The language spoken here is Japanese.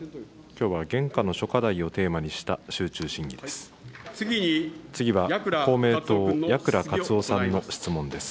きょうは現下の諸課題をテーマにした集中審議です。